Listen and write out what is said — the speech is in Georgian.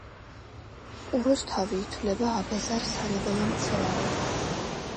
კუროსთავი ითვლება აბეზარ სარეველა მცენარედ.